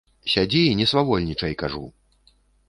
Сядзі і не свавольнічай, кажу.